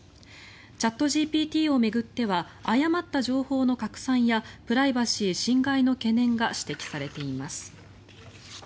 チャットＧＰＴを巡っては誤った情報の拡散やプライバシー侵害の懸念が指摘されています。